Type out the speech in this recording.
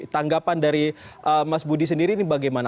tanggapan dari mas budi sendiri ini bagaimana